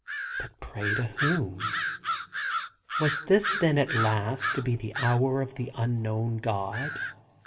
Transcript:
But pray to whom ? Was this then, at last, to be the hour of the unknown God?